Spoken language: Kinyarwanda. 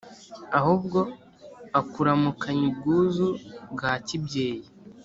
ahubwo akuramukanya ubwuzu bwa kibyeyi.